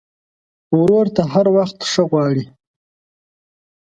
ورور ته هر وخت ښه غواړې.